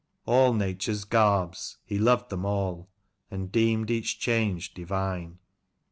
All Nature's garbs, he loved them all. And deemed each change divine."